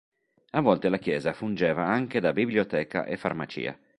A volte la chiesa fungeva anche da biblioteca e farmacia.